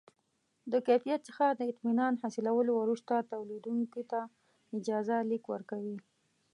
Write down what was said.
د کیفیت څخه د اطمینان حاصلولو وروسته تولیدوونکي ته اجازه لیک ورکوي.